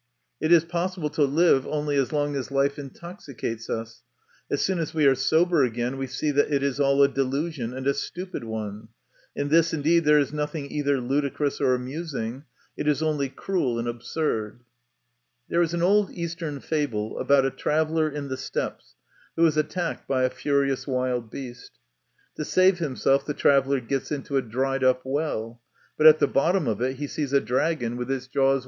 It is possible to live only as long as life intoxicates us ; as soon as we are sober again we see that it is all a delusion, and a stupid one ! In this, indeed, there is nothing either ludicrous or amusing ; it is only cruel and absurd. There is an old Eastern fable about a traveller in the steppes who is attacked by a furious wild beast. To save himself the traveller gets into a dried up well ; but at the bottom of it he sees a dragon with its jaws My confession.